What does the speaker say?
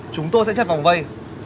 chúng tôi sẽ chặt vòng vây